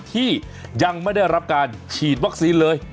ที่ยังไม่ได้รับการฉีดวัคซีนเลย